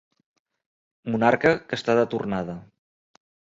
Monarca que està de tornada.